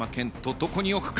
どこに置くか？